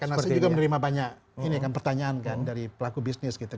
karena saya juga menerima banyak ini kan pertanyaan kan dari pelaku bisnis gitu